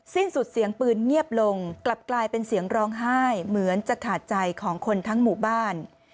สิ้นสุดเสียงปืนเงียบลงกลับกลายเป็นเสียงร้องไห้เหมือนจะขาดใจของคนทั้งหมู่บ้าน